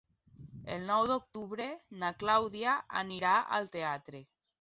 El nou d'octubre na Clàudia anirà al teatre.